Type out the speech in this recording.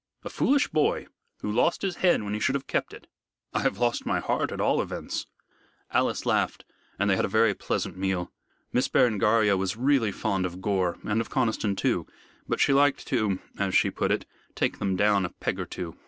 "A foolish boy, who lost his head when he should have kept it." "I lost my heart, at all events!" Alice laughed, and they had a very pleasant meal. Miss Berengaria was really fond of Gore and of Conniston also, but she liked to as she put it take them down a peg or two.